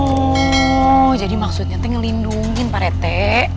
oh jadi maksudnya itu ngelindungin pak rete